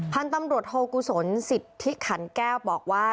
หันตำรวจโฮกู้ศนสิทธิขันแก้วบอกว่า